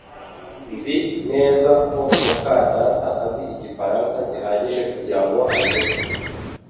Nzi neza ko muka data azi Igifaransa gihagije kugirango anyure